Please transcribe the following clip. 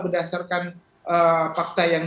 berdasarkan fakta yang